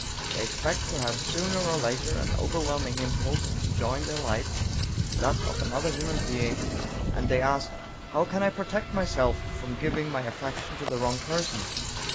They expect to have sooner or later an overwhelming impulse to join their life to that of another human being, and they ask: "How can I protect myself from giving my affection to the wrong person?